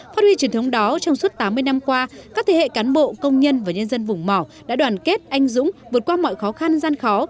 phát huy truyền thống đó trong suốt tám mươi năm qua các thế hệ cán bộ công nhân và nhân dân vùng mỏ đã đoàn kết anh dũng vượt qua mọi khó khăn gian khó